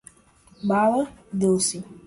bala, doce